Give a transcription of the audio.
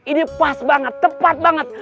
ini pas banget tepat banget